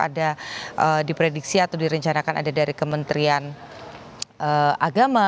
ada diprediksi atau direncanakan ada dari kementerian agama